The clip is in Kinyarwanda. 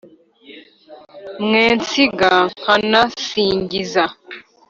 mwe nsiga nkanasingiza